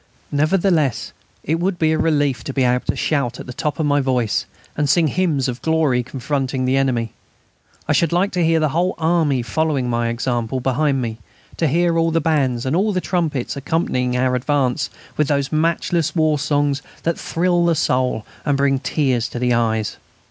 Nevertheless, it would be a relief to be able to shout at the top of my voice and sing hymns of glory confronting the enemy. I should like to hear the whole army following my example behind me, to hear all the bands and all the trumpets accompanying our advance with those matchless war songs which thrill the soul and bring tears to the eyes.